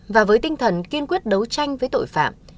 và với tinh thần kiên quyết đấu tranh với tội phạm